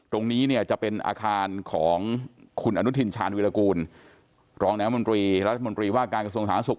ตรงนี้เนี่ยจะเป็นอาคารของคุณอนุทินชาญวิรากูลรองน้ำมนตรีรัฐมนตรีว่าการกระทรวงสาธารณสุข